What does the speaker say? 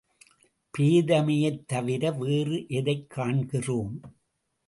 பேதமையைத் தவிர வேறு எதைக் காண்கிறோம்!